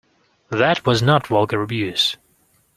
That was not vulgar abuse.